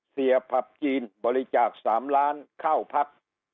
ผับจีนบริจาค๓ล้านเข้าพัก